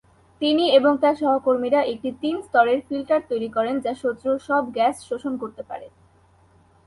তিনি এবং তার সহকর্মীরা একটি তিন স্তরের ফিল্টার তৈরি করেন যা শত্রুর সব গ্যাস শোষণ করতে পারে।